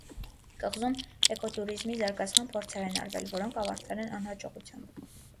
Կղզում էկոտուրիզմի զարգացման փորձեր են արվել, որոնք ավարտվել են անհաջողությամբ։